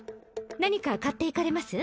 何か買っていかれます？